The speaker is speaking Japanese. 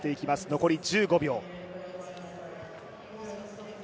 残り１５秒。